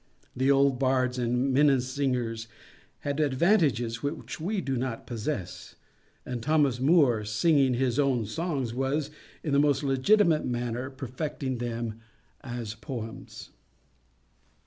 The old Bards and Minnesingers had advantages which we do not possess—and Thomas Moore, singing his own songs, was, in the most legitimate manner, perfecting them as poems.